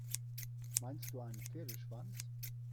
Meinst du einen Pferdeschwanz?